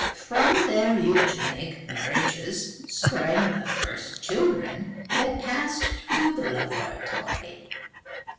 "From their eugenic marriages sprang the first children that passed through the laboratory.